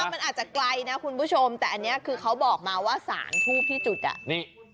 มันอาจจะไกลนะคุณผู้ชมแต่อันนี้คือเขาบอกมาว่าสารทูบที่จุดอ่ะนี่